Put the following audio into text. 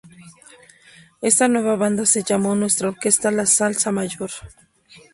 Esta nueva banda se llamó "Nuestra Orquesta La Salsa Mayor".